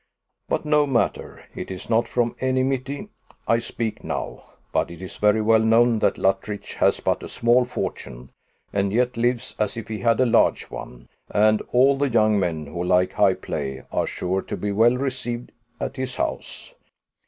But no matter: it is not from enmity I speak now. But it is very well known that Luttridge has but a small fortune, and yet lives as if he had a large one; and all the young men who like high play are sure to be well received at his house.